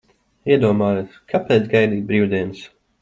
Iedomājos, kāpēc gaidīt brīvdienas?